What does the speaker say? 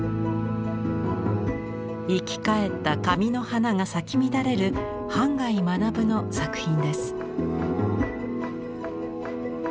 生き返った紙の花が咲き乱れる半谷学の作品です。